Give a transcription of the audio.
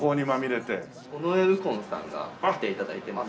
尾上右近さんが来て頂いてます。